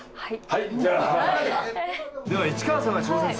はい。